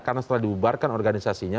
karena setelah dibubarkan organisasinya